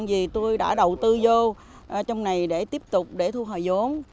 vì tôi đã đầu tư vô trong này để tiếp tục để thu hồi vốn